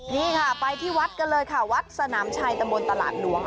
นี่ค่ะไปที่วัดกันเลยค่ะวัดสนามชัยตะบนตลาดหลวง